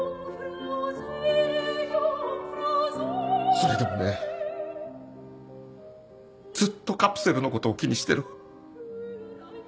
それでもねずっとカプセルのことを気にしてる。